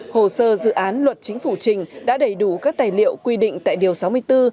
hồ sơ dự án luật chính phủ trình đã đầy đủ các tài liệu quy định tại điều sáu mươi bốn